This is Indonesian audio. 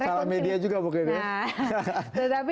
salah media juga mungkin ya